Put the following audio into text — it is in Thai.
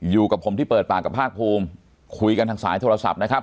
อยู่กับผมที่เปิดปากกับภาคภูมิคุยกันทางสายโทรศัพท์นะครับ